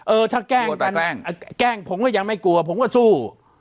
เออถ้าแกล้งกันแกล้งผมก็ยังไม่กลัวผมก็สู้